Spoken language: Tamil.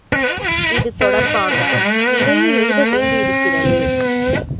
இது தொடர்பாக நிறைய எழுத வேண்டியிருக்கிறது.